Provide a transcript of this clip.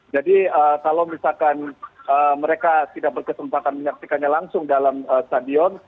jadi kalau misalkan mereka tidak berkesempatan menyaksikannya langsung dalam stadion